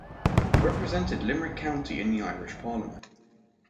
He represented Limerick County in the Irish Parliament.